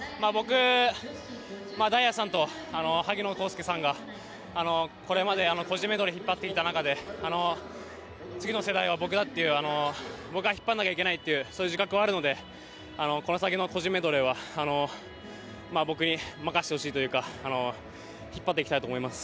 大也さんと萩野公介さんがこれまで個人メドレーを引っ張ってきた中で次の世代は、僕が引っ張らなきゃいけないっていうそういう自覚はあるのでこの先の個人メドレーは僕に任せてほしいというか引っ張っていきたいと思います。